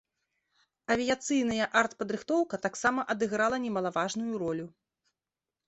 Авіяцыйная артпадрыхтоўка таксама адыграла немалаважную ролю.